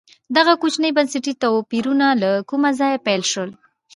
دغه کوچني بنسټي توپیرونه له کومه ځایه پیل شول.